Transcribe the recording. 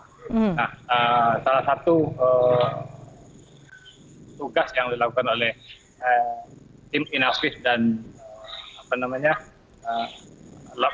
nah salah satu tugas yang dilakukan oleh tim inavis dan apa namanya